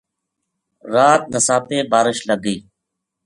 رات نساپے بارش لگ گئی